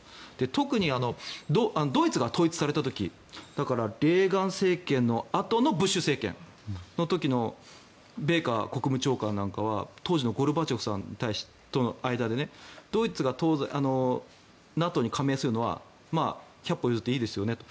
特にドイツが統一された時だから、レーガン政権のあとのブッシュ政権の時のベイカー国務長官なんかは当時のゴルバチョフさんとの間でドイツがＮＡＴＯに加盟するのは百歩譲っていいですよねと。